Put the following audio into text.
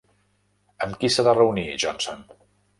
Amb qui s'ha de reunir Johnson?